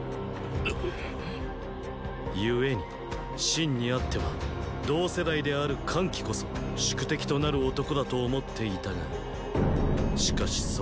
故に秦にあっては同世代である桓騎こそ宿敵となる男だと思っていたがしかしそれとは別に